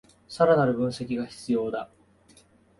さらなる分析が必要だ